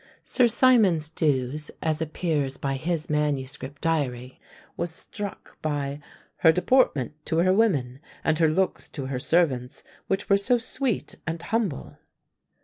Sir Symonds D'Ewes, as appears by his manuscript diary, was struck by "her deportment to her women, and her looks to her servants, which were so sweet and humble!"